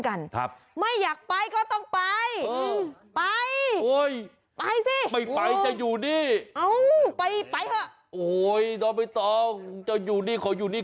ข้าไม่ไปข้าจะอยู่ที่นี่